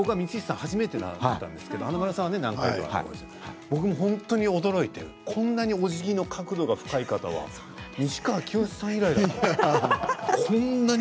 初めてだったんですけれども華丸さんは何回かありますけれども僕も本当に驚いて、こんなにおじぎの角度が深い方は西川きよしさん以来だなと。